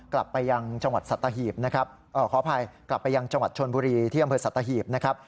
กลับไปยังจังหวัดชนบุรีที่อำเภอสัตว์ตาหีบนะครับ